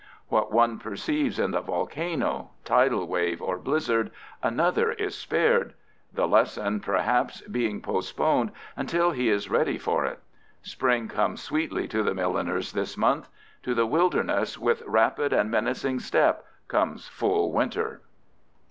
What one perceives in the volcano, tidal wave, or blizzard, another is spared; the lesson, perhaps, being postponed until he is ready for it. Spring comes sweetly to the milliners' this month. To the wilderness with rapid and menacing step comes full winter.